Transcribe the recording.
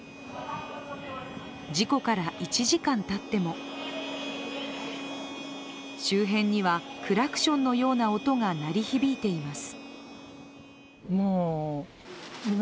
事故から１時間たっても周辺には、クラクションのような音が鳴り響いています。